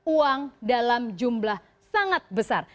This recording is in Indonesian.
uang dalam jumlah sangat besar